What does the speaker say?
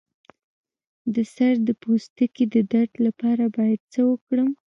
د سر د پوستکي د درد لپاره باید څه وکړم؟